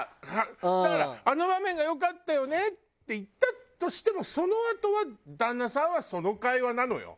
だから「あの場面が良かったよね」って言ったとしてもそのあとは旦那さんはその会話なのよ。